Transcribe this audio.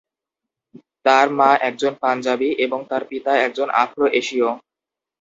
তার মা একজন পাঞ্জাবি এবং তার পিতা একজন আফ্রো-এশীয়।